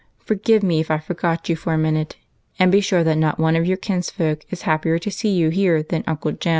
forgive me if I forgot you for a minute, and be sure that not one of your kinsfolk is happier to see you here than Uncle Jem."